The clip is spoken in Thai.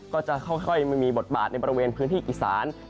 ก็จะค่อยมีบทบาทในบริเวณพื้นที่อีสาน